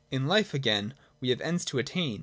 In life, again, we have ends to attain.